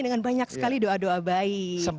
dengan banyak sekali doa doa baik